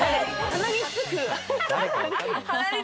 鼻につく。